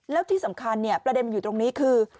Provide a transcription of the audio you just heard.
แล้วที่สำคัญเนี่ยประเด็นมันอยู่ตรงนี้คือ